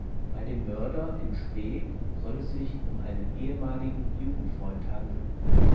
Bei dem Mörder in spe soll es sich um einen ehemaligen Jugendfreund handeln.